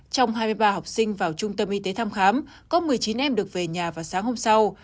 trong hai mươi ba học sinh vào trung tâm y tế thăm khám có một mươi chín em được về nhà vào sáng hôm sau